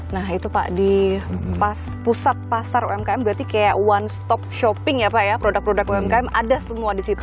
nah itu pak di pusat pasar umkm berarti kayak one stop shopping ya pak ya produk produk umkm ada semua di situ